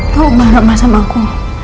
kamu marah sama aku